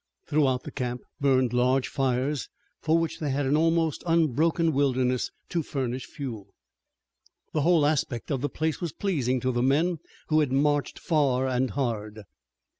Throughout the camp burned large fires for which they had an almost unbroken wilderness to furnish fuel. The whole aspect of the place was pleasing to the men who had marched far and hard.